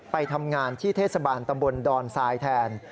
ไปทำงานที่เทศบาลตำบลดอนทรายแทน